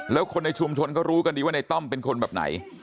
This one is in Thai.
แล้วคนในชุมชนก็รู้กันดีว่าในต้อมเป็นคนแบบไหน